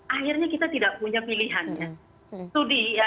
akhirnya kita tidak punya pilihannya